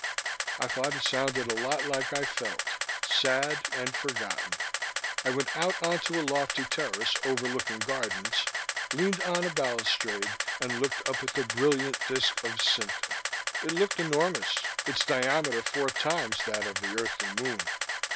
I thought it sounded a lot like I felt: sad and forgotten. I went out onto a lofty terrace overlooking gardens, leaned on a balustrade, and looked up at the brilliant disc of Cinte. It loomed enormous, its diameter four times that of the earthly moon.